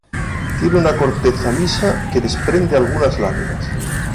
Tiene una corteza lisa que desprende algunas láminas.